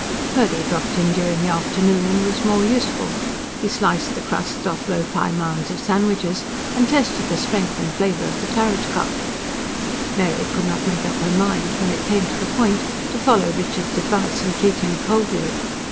Purdy dropped in during the afternoon and was more useful; he sliced the crusts off loaf high mounds of sandwiches, and tested the strength and flavour of the claret cup. Mary could not make up her mind, when it came to the point, to follow Richard's advice and treat him coldly.